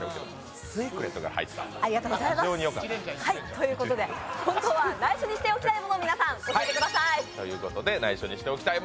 ということで、本当は内緒にしておきたいもの、皆さん教えてください。